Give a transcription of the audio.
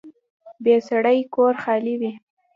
بې سړي کور خالي وي